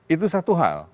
itu satu hal